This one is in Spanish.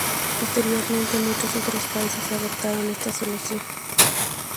Posteriormente muchos otros países adoptaron esta solución.